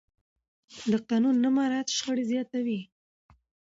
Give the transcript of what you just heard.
د قانون نه مراعت شخړې زیاتوي